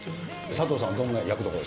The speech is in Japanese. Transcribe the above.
さとうさんはどんな役どころ？